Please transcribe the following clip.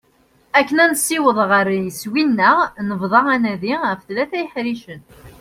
Akken ad nessaweḍ ɣer yiswi-nneɣ nebḍa anadi ɣef tlata yeḥricen.